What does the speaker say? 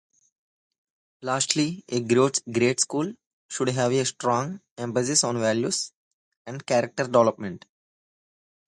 Lastly, a great school should have a strong emphasis on values and character development.